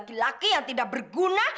kalau bagi pak bimang